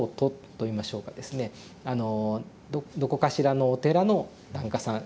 どこかしらのお寺の檀家さん